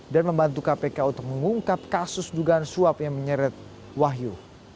dan membantu kpk untuk mengungkap kasus dugaan suap yang menyeret wahyu